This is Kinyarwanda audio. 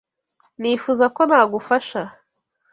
Nifuzaga ko nagufasha.